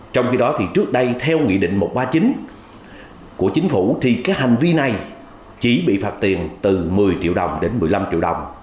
trong khi đó thì trước đây theo nghị định một trăm ba mươi chín của chính phủ thì các hành vi này chỉ bị phạt tiền từ một mươi triệu đồng đến một mươi năm triệu đồng